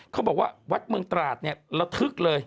เขาบอกว่าวัดเมืองตราดเนี่ยระทึกเลย